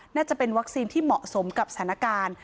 น่าจะเป็นวัคซีนที่เหมาะสมกับสถานการณ์